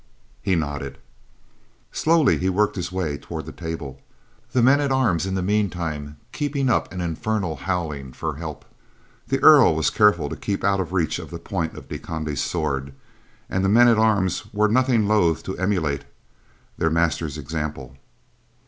He nodded. Slowly he worked his way toward the table, the men at arms in the meantime keeping up an infernal howling for help. The Earl was careful to keep out of reach of the point of De Conde's sword, and the men at arms were nothing loath to emulate their master's example.